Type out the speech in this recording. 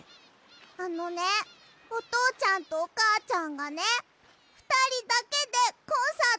あのねおとうちゃんとおかあちゃんがねふたりだけでコンサートにいくの。